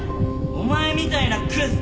お前みたいなクズ